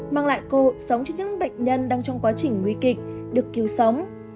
mang lại cố sống cho những bệnh nhân đang trong quá trình nguy kịch được cứu sống